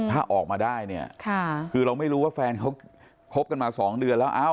ถ้าออกมาได้เนี่ยคือเราไม่รู้ว่าแฟนเขาคบกันมา๒เดือนแล้ว